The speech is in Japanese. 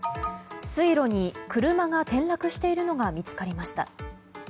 水路に車が転落しているのが見つかりました。